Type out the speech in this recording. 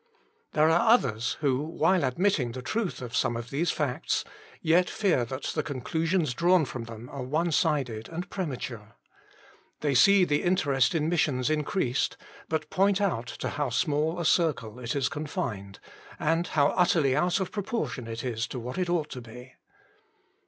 There are others who, while admitting the truth of some of these facts, yet fear that the conclu sions drawn from them are one sided and premature. They see the interest in missions increased, but point out to how small a circle it is confined, and how utterly out of proportion it is to what it ought to be.